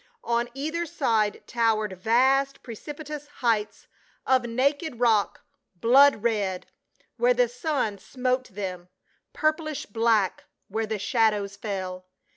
On either side towered vast pre cipitous heights of naked rock, blood red where the sun smote them, purplish black where the shadows fell.